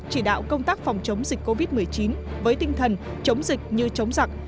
chỉ đạo công tác phòng chống dịch covid một mươi chín với tinh thần chống dịch như chống giặc